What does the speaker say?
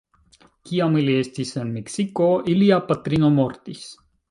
Kiam ili estis en Meksiko, ilia patrino mortis.